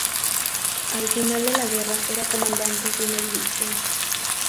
Al final de la guerra era comandante de una división.